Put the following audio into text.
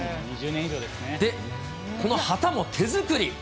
この旗も手作り。